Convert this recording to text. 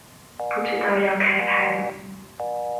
不知道要开拍了